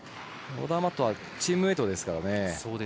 オダーマットはチームメートですからね。